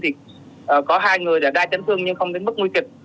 thì có hai người đã đa chấn thương nhưng không đến mức nguy kịch